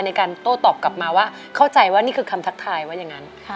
ในการโต้ตอบกลับมาว่าเข้าใจว่านี่คือคำทักทายว่าอย่างนั้น